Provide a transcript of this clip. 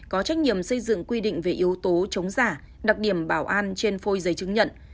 có trách nhiệm xây dựng quy định về yếu tố chống giả đặc điểm bảo an trên phôi giấy chứng nhận